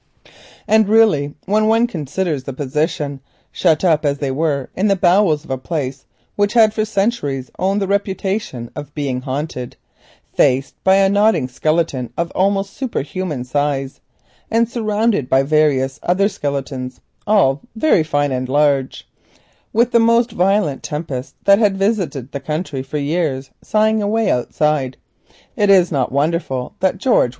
And really when one considers the position it is not wonderful that George was scared. For they were shut up in the bowels of a place which had for centuries owned the reputation of being haunted, faced by a nodding skeleton of almost superhuman size, and surrounded by various other skeletons all "very fine and large," while the most violent tempest that had visited the country for years sighed away outside.